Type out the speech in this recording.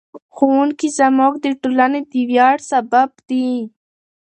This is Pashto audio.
ښوونکي زموږ د ټولنې د ویاړ سبب دي.